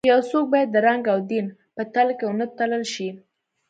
یو څوک باید د رنګ او دین په تلې کې ونه تلل شي.